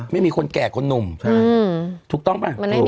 ไม่มีคนแก่คนหนุ่มถูกต้องป่ะ